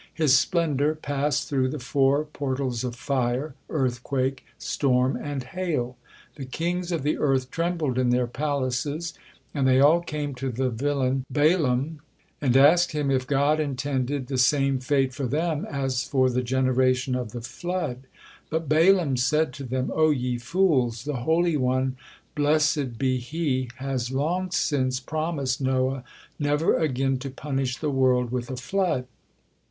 His splendor passed through the four portals of fire, earthquake, storm and hail. The kings of the earth trembled in their palaces, and they all came to the villain Balaam, and asked him if God intended the same fate for them as for the generation of the flood. But Balaam said to them: "O ye fools! The Holy One, blessed be He, has long since promised Noah never again to punish the world with a flood."